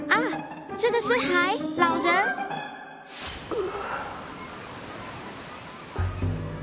う。